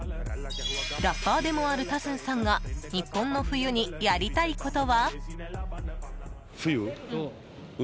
ラッパーでもあるタスンさんが日本の冬にやりたいことは？